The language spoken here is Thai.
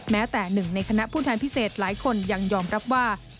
แม้แต่หนึ่งในคณะผู้แทนพิเศษหลายคนยังยอมรับว่า